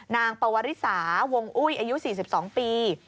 ปวริสาวงอุ้ยอายุ๔๒ปี